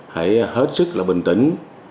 hãy hết sức là bình tĩnh